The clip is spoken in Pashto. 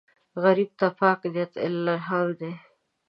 غریب ته پاک نیت الهام دی